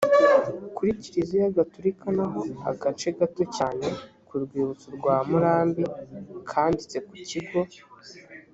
kuri kiliziya gaturika naho agace gato cyane k urwibutso rwa murambi kanditse ku kigo